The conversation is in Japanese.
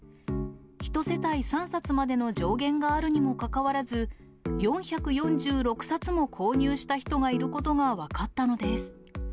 １世帯３冊までの上限があるにもかかわらず、４４６冊も購入した人がいることが分かったのです。